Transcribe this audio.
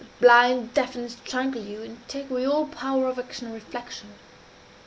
They blind, deafen, and strangle you, and take away all power of action or reflection.